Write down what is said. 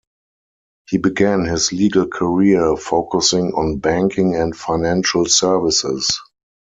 He began his legal career focusing on banking and financial services.